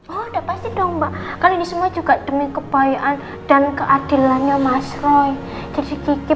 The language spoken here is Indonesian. oh udah pasti dong mbak kan ini semua juga demi kebayaan dan keadilannya mas roy jadi kiki